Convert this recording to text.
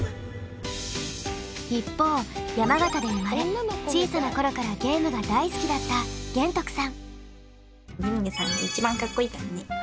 一方山形で生まれ小さな頃からゲームが大好きだった玄徳さん。ね。